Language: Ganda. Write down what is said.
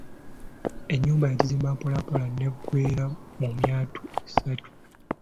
Ennyumba yagizimba mpolampola n’eggweera mu myaka esatu.